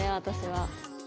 私は。